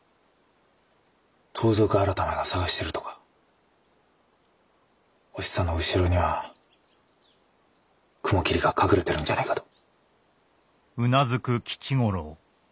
盗賊改が捜しているとかおひさの後ろには雲霧が隠れてるんじゃねえかと。